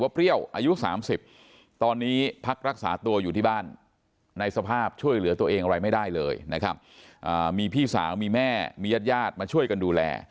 เป็นเพียงอะไรไม่ได้เลยนะครับมีพี่สาวมีแม่มีญาติญาติมาช่วยกันดูแล